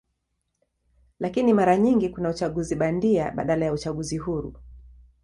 Lakini mara nyingi kuna uchaguzi bandia badala ya uchaguzi huru.